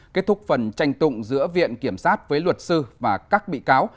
kết thúc phần tranh tụng giữa viện kiểm sát với luật sư và các bị cáo